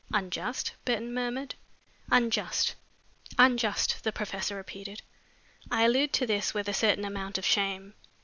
"Unjust?" Burton murmured. "Unjust," the professor repeated. "I allude to this with a certain amount of shame.